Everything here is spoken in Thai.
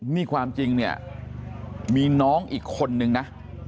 นี่ความจริงเนี่ยมีน้องอีกคนนึงนะ